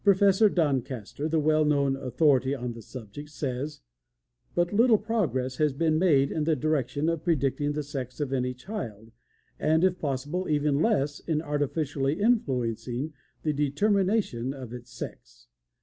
Professor Doncaster, the well known authority on the subject, says: "But little progress has been made in the direction of predicting the sex of any child, and, if possible, even less in artificially influencing the determination of its sex.